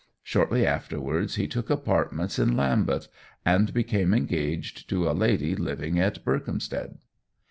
Shortly afterwards he took apartments in Lambeth, and became engaged to a lady living at Berkhampstead.